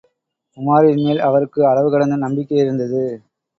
உமாரின்மேல் அவருக்கு அளவு கடந்த நம்பிக்கையிருந்தது.